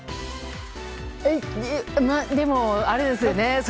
まあ、でもあれですよね。